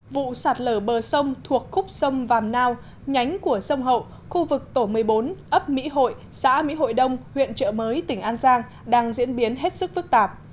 vụ sạt lở bờ sông thuộc khúc sông vàm nao nhánh của sông hậu khu vực tổ một mươi bốn ấp mỹ hội xã mỹ hội đông huyện trợ mới tỉnh an giang đang diễn biến hết sức phức tạp